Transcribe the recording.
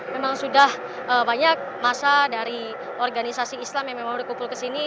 memang sudah banyak masa dari organisasi islam yang memang berkumpul ke sini